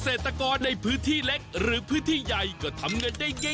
เศรษฐกรในพื้นที่เล็กหรือพื้นที่ใหญ่ก็ทำเงินได้ง่าย